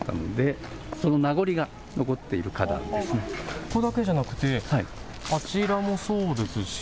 ここだけじゃなくて、あちらもそうですし。